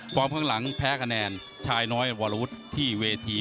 ข้างหลังแพ้คะแนนชายน้อยวรวุฒิที่เวที